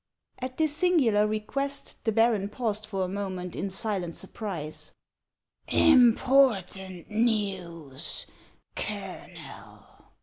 At this singular request, the baron paused for a moment in silent surprise. " Important news, Colonel